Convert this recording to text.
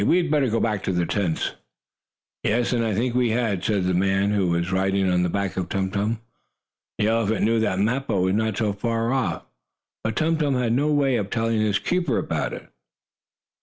We had better go back to the tents." "Yes, I think we had," said the man who was riding on the back of Tum Tum. The elephant knew that Mappo was not so very far off, but Tum Tum had no way of telling his keeper about it.